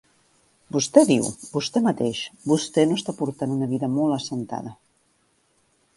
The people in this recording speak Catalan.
Vostè diu, vostè mateix, vostè no està portant una vida molt assentada.